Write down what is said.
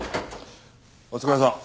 お疲れさん。